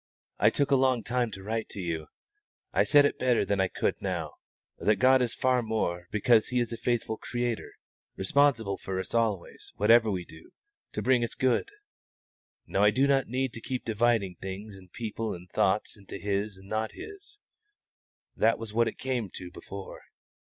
"I took a long time to write to you; I said it better than I could now, that God is far more because He is a faithful Creator, responsible for us always, whatever we do, to bring us to good. Now I do not need to keep dividing things and people and thoughts into His and not His. That was what it came to before.